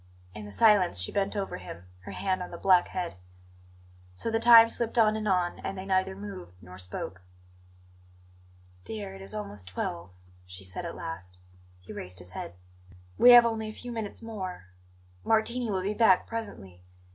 In the silence she bent over him, her hand on the black head. So the time slipped on and on; and they neither moved nor spoke. "Dear, it is almost twelve," she said at last. He raised his head. "We have only a few minutes more; Martini will be back presently.